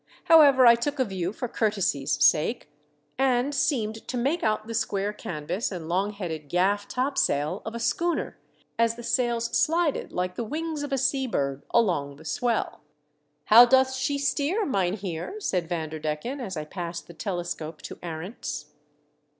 However, I took a view for courtesy's sake, and seemed to make out the square canvas and long headed gaff topsail of a schooner as the sails slided like the wings of a sea bird along the swell. " How doth she steer, mynheer ?" said Vanderdecken, as I passed the telescope to Arents.